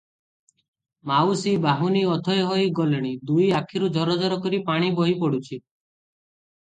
'ମାଉସୀ ବାହୁନି ଅଥୟ ହୋଇ ଗଲେଣି, ଦୁଇ ଆଖିରୁ ଝର ଝର କରି ପାଣି ବୋହି ପଡୁଛି ।